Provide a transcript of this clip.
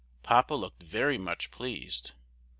Papa looked very much pleased.